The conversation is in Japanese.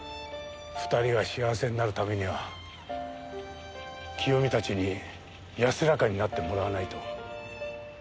２人が幸せになるためには清美たちに安らかになってもらわないと。